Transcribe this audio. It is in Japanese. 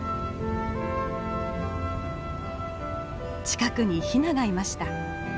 近くにひながいました。